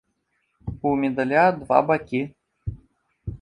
У медаля два бакі.